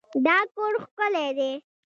دا کور ښکلی دی.